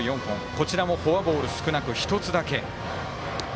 こちらもフォアボール少なく１つだけ。